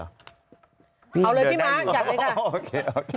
เอาเลยพี่มั๊กจับไว้ค่ะ